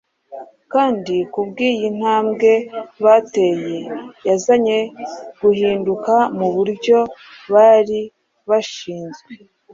kandi kubw’iyi ntambwe bateye, yazanye guhinduka mu byo bari bashinzwe.